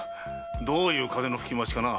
どういう風の吹き回しかな？